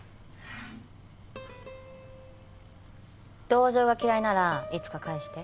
同情が嫌いならいつか返して。